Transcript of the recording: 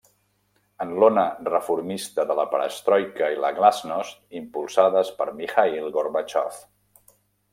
En l'ona reformista de la perestroika i la glàsnost impulsades per Mikhaïl Gorbatxov.